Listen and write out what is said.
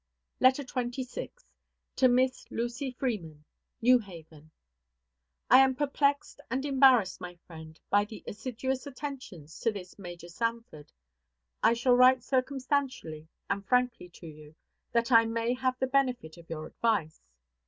LETTER XXVI. TO MISS LUCY FREEMAN. NEW HAVEN. I am perplexed and embarrassed, my friend, by the assiduous attentions of this Major Sanford. I shall write circumstantially and frankly to you, that I may have the benefit of your advice.